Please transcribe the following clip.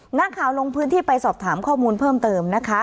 นักข่าวลงพื้นที่ไปสอบถามข้อมูลเพิ่มเติมนะคะ